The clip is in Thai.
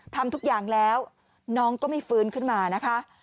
ทำทุกอย่างแล้วน้องก็ไม่ฟื้นขึ้นมานะคะ